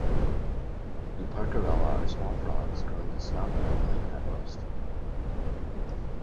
"Euparkerella" are small frogs, growing to snout-vent length at most.